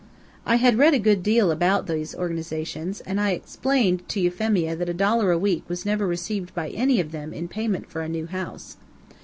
I had read a good deal about these organizations, and I explained to Euphemia that a dollar a week was never received by any of them in payment for a new house.